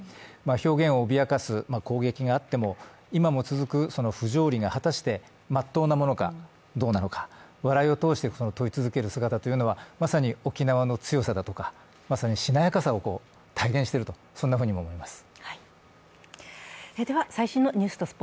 表現を脅かす攻撃があっても、今も続く不条理が果たして真っ当なものかどうなのか、笑いを通して問い続ける姿というのは、まさに沖縄の強さだとかまさにしなやかさを体現している、そんなふうにも思います。